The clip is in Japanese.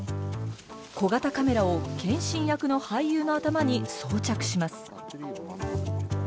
小型カメラを謙信役の俳優の頭に装着します。